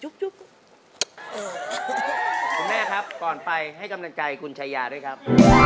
คุณแม่ครับก่อนไปให้กำลังใจคุณชายาด้วยครับ